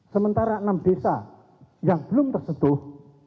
sementara enam desa yang belum terseduh